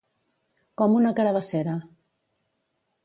Com una carabassera.